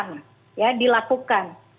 ini adalah perang dilakukan